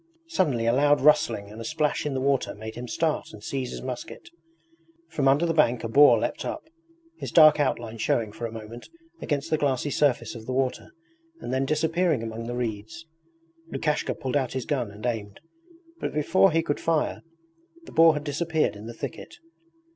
Suddenly a loud rustling and a splash in the water made him start and seize his musket. From under the bank a boar leapt up his dark outline showing for a moment against the glassy surface of the water and then disappearing among the reeds. Lukashka pulled out his gun and aimed, but before he could fire the boar had disappeared in the thicket.